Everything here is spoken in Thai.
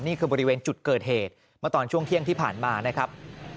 นี่คือบริเวณจุดเกิดเหตุเมื่อตอนช่วงเที่ยงที่ผ่านมานะครับ